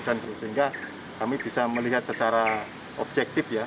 dan sehingga kami bisa melihat secara objektif ya